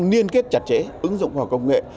niên kết chặt chẽ ứng dụng vào công nghệ